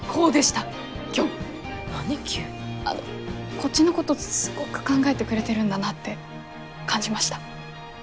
あのこっちのことすごく考えてくれてるんだなって感じました。